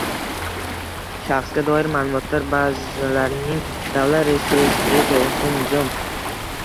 Shaxsga doir ma’lumotlar bazalarining davlat reyestri to‘g‘risida nizom.